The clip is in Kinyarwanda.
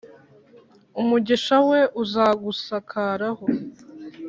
umugisha we uzagusakaraho;